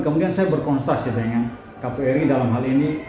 kemudian saya berkonstasi dengan kpu ri dalam hal ini